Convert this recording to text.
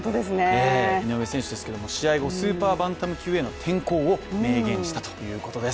井上選手ですけれども試合後、スーパーバンタム級への転向を明言したということです。